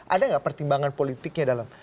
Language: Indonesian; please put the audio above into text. ada nggak pertimbangan politiknya dalam